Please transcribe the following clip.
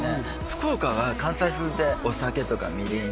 福岡は関西風でお酒とかみりん